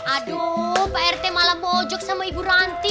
aduh pak rete malah mojok sama ibu ranti